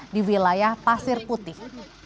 di wilayah pasir putih